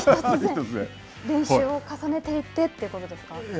練習を重ねていってということですか。